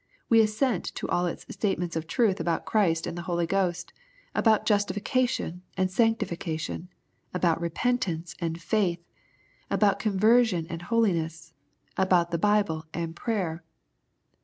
We assent to all its statements of truth about Christ and the Holy Ghost, about justification and sanctification, about repentance and faith, about conversion and holiness, about the Bible and prayer.